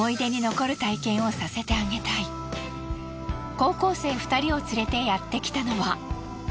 高校生２人を連れてやってきたのは。